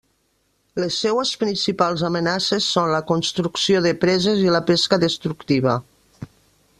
Les seues principals amenaces són la construcció de preses i la pesca destructiva.